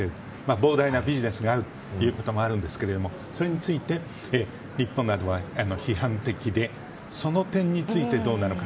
膨大なビジネスがあるということもあると思うんですがそれについて日本などは批判的でその点についてどうなるか。